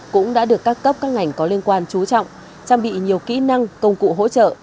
cũng đã được các cấp các ngành có liên quan trú trọng trang bị nhiều kỹ năng công cụ hỗ trợ